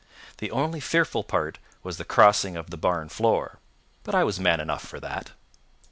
The only fearful part was the crossing of the barn floor. But I was man enough for that.